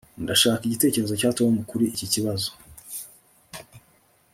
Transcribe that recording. Ndashaka igitekerezo cya Tom kuri iki kibazo